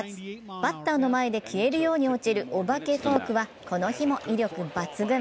バッターの前で消えるように落ちるお化けフォークはこの日も威力抜群。